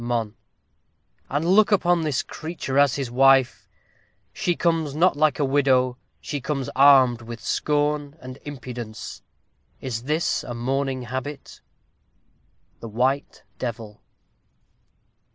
Mon. And look upon this creature as his wife. She comes not like a widow she comes armed With scorn and impudence. Is this a mourning habit? _The White Devil.